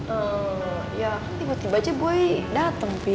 eh ya kan tiba tiba aja boy dateng fi